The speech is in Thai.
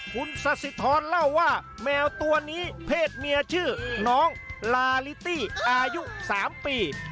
คุณสสิทรเล่าว่าแมวตัวนี้เพศเมียชื่อน้องลาลิตี้อายุ๓ปี